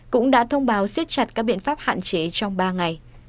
cũng đã thông báo siết chặt các biện pháp hạn chế trong ba ngày